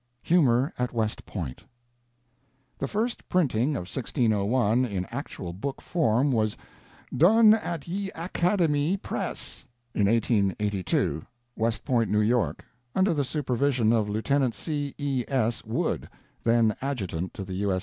HUMOR AT WEST POINT The first printing of 1601 in actual book form was "Donne at ye Academie Press," in 1882, West Point, New York, under the supervision of Lieut. C. E. S. Wood, then adjutant of the U. S.